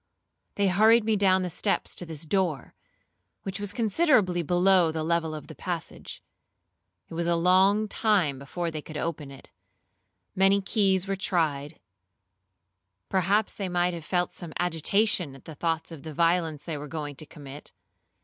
They hurried me down the steps to this door, which was considerably below the level of the passage. It was a long time before they could open it; many keys were tried; perhaps they might have felt some agitation at the thoughts of the violence they were going to commit.